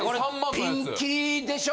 ピンキリでしょ？